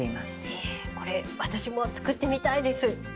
へえこれ私も作ってみたいです。